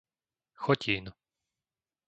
Chotín